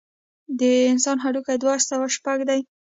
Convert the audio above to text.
د انسان هډوکي دوه سوه شپږ دي.